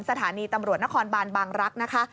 สถานีตำรวจนครบานบางรักษ์นะคะ